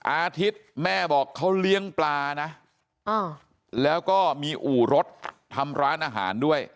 อาทิตย์แม่บอกเขาเลี้ยงปลานะแล้วก็มีอู่รถทำร้านอาหารด้วย